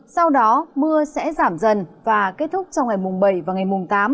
sau đó mưa sẽ giảm dần và kết thúc trong ngày mùng bảy và ngày mùng tám